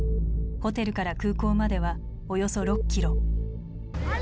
ホテルから空港まではおよそ６キロ。